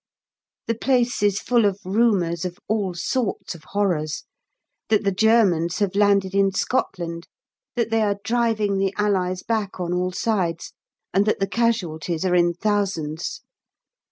The place is full of rumours of all sorts of horrors, that the Germans have landed in Scotland, that they are driving the Allies back on all sides, and that the casualties are in thousands.